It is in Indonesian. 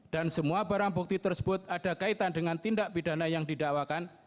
dan semua barang bukti tersebut ada kaitan dengan tindak pidana yang didakwakan